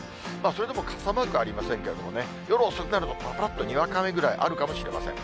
それでも傘マークありませんけどね、夜遅くなると、ぱらぱらっとにわか雨ぐらい、あるかもしれません。